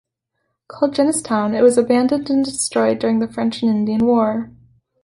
Called Jennesstown, it was abandoned and destroyed during the French and Indian War.